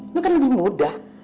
lu kan lebih muda